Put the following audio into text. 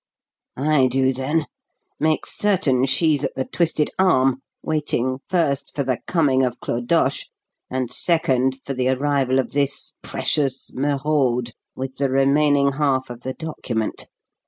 "I do, then. Make certain she's at 'The Twisted Arm,' waiting, first, for the coming of Clodoche, and, second, for the arrival of this precious 'Merode' with the remaining half of the document.